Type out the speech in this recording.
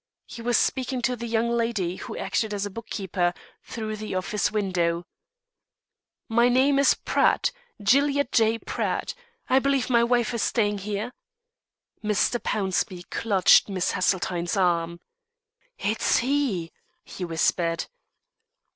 He was speaking to the young lady, who acted as book keeper, through the office window. "My name is Pratt Gilead J. Pratt. I believe my wife is staying here." Mr. Pownceby clutched Miss Haseltine's arm. "It's he!" he whispered.